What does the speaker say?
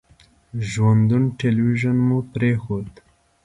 ژوندون تلویزیون مو پرېښود.